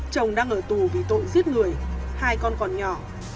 chồng đang ở tù vì tội giết người hai con còn nhỏ